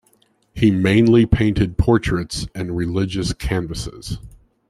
He mainly painted portraits and religious canvases.